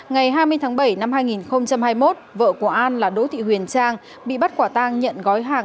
ngày hai mươi tháng bảy năm hai nghìn hai mươi một vợ của an là đỗ thị huyền trang bị bắt quả tang nhận gói hàng